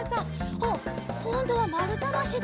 おっこんどはまるたばしだ。